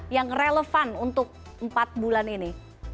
yang relevan untuk empat bulan ini